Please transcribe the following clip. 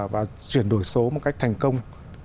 và chuyển đổi số một cách thành công